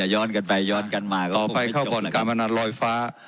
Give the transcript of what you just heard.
จะย้อนกันไปย้อนกันมาต่อไปเข้าบ่อนกาแมนันลอยฟ้า